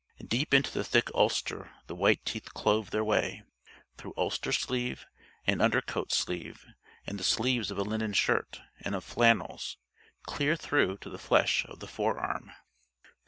Deep into the thick ulster the white teeth clove their way through ulster sleeve and undercoat sleeve and the sleeves of a linen shirt and of flannels clear through to the flesh of the forearm.